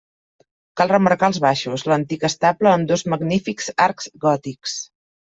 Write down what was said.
Cal remarcar als baixos, l'antic estable amb dos magnífics arcs gòtics.